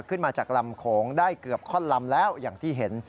ขึ้นมาจากลำโขงได้เกือบข้อนลำแล้วอย่างที่เห็น